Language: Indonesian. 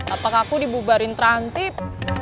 apakah aku dibubarin terhantib